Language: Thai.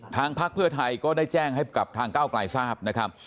พักเพื่อไทยก็ได้แจ้งให้กับทางก้าวกลายทราบนะครับ